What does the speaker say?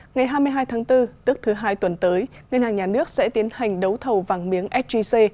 ngày hai mươi hai tháng bốn tức thứ hai tuần tới ngân hàng nhà nước sẽ tiến hành đấu thầu vàng miếng sgc